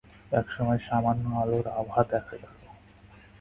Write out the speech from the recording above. এক সময় সামান্য আলোর আভা দেখা গেল।